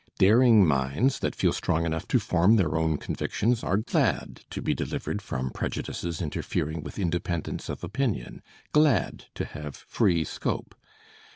Daring minds that feel strong enough to form their own convictions are glad to be delivered from prejudices interfering with independence of opinion, glad to have free scope.